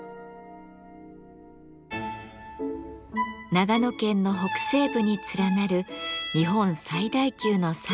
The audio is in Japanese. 長野県の北西部に連なる日本最大級の山塊北アルプス。